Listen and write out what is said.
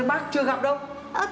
bác chưa gặp đâu